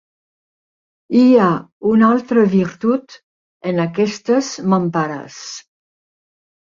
Hi ha una altra virtut en aquestes mampares.